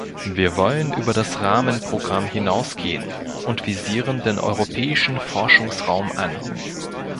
Wir wollen über das Rahmenprogramm hinausgehen und visieren den Europäischen Forschungsraum an.